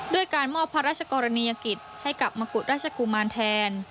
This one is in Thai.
ด้วยการมอบพระราชกรณียกิจให้กับมงกุฎราชกุมารแทน